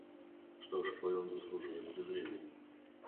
Что ж, коли он заслуживает презрения!